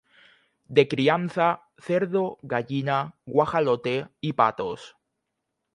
De crianza: cerdo, gallina, guajolote y patos.